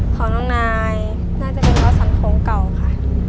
ของน้องนายน่าจะเป็นวัดสรรคงเก่าค่ะ